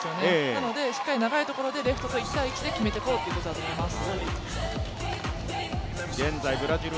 なのでしっかり長いところで、レフトと１対１で決めてこうっていうことだと思います。